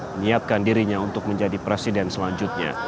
menyiapkan dirinya untuk menjadi presiden selanjutnya